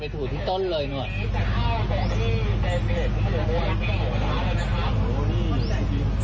กับสิทธิ์ที่ตามต้องย่ำนิดหนึ่งไม่ได้อ่ะนิ้วแบบเซฟ